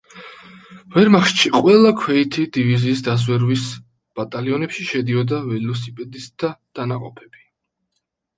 ვერმახტში ყველა ქვეითი დივიზიის დაზვერვის ბატალიონებში შედიოდა ველოსიპედისტთა დანაყოფები.